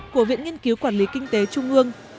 của viện nghiên cứu quản lý kinh tế trung ương